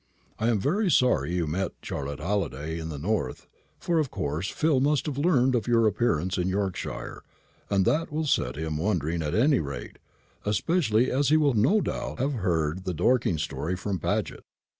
I'm very sorry you met Charlotte Halliday in the north, for of course Phil must have heard of your appearance in Yorkshire, and that will set him wondering at any rate, especially as he will no doubt have heard the Dorking story from Paget.